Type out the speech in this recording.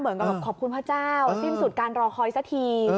เหมือนกับขอบคุณพระเจ้าสิ้นสุดการรอคอยสักที